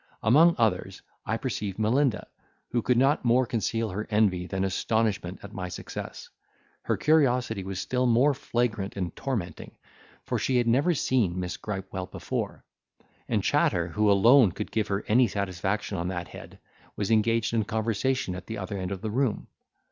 Among others I perceived Melinda, who could not more conceal her envy than astonishment at my success; her curiosity was still more flagrant and tormenting, for she had never seen Miss Gripewell before; and Chatter, who alone could give her any satisfaction on that head, was engaged in conversation at the other end of the room.